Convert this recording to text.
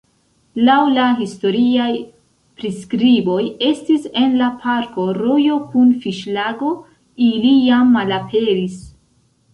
Laŭ la historiaj priskriboj estis en la parko rojo kun fiŝlago, ili jam malaperis.